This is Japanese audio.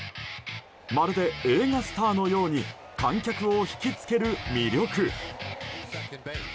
まるで、映画スターのように観客を引き付ける魅力。